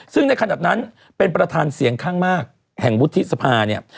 ซึ่งในขณะนั้นเป็นประธานเสียงข้างมากแห่งวุฒิสภาเนี่ย